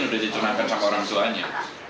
sudah ditunangkan sama orang tuanya